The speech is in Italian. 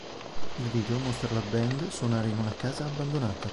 Il video mostra la band suonare in una casa abbandonata.